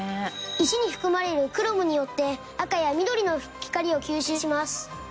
石に含まれるクロムによって赤や緑の光を吸収します。